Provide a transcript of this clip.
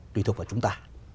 tùy thuộc vào chúng ta